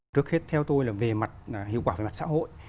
trước hết theo tôi là về mặt hiệu quả về mặt xã hội